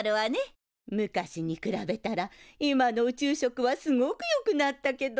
昔に比べたら今の宇宙食はすごくよくなったけど。